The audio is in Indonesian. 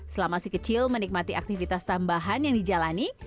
selama si kecil menikmati aktivitas tambahan yang dijalani